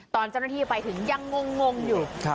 ตอนเจ้าหน้าที่ไปถึงยังงงอยู่